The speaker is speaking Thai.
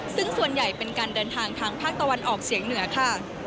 ซึ่งส่วนใหญ่เป็นการเดินทางทางภาคตะวันออกเฉียงเหนือค่ะ